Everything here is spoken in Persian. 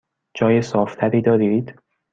جای صاف تری دارید؟